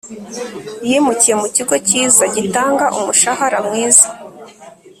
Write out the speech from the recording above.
Yimukiye mu kigo cyiza gitanga umushahara mwiza